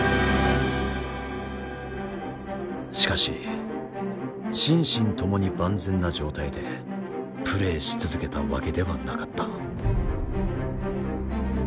しかし心身ともに万全な状態でプレーし続けたわけではなかった。